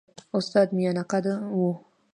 استاد میانه قده وو.